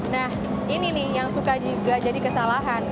nah ini nih yang suka juga jadi kesalahan